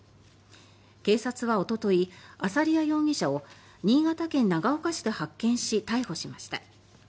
警察はおとといアサリヤ容疑者を新潟県長岡市で発見し逮捕しました。